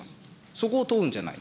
そこを問うんじゃない。